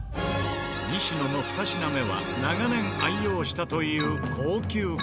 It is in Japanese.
西野の２品目は長年愛用したという高級家具。